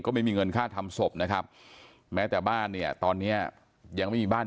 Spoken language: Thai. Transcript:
ก็ไม่มีเงินค่าทำศพนะครับแม้แต่บ้านเนี่ยตอนเนี้ยยังไม่มีบ้าน